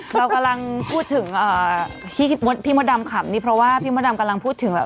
เรากำลังพูดถึงที่พี่มดดำขำนี่เพราะว่าพี่มดดำกำลังพูดถึงแบบ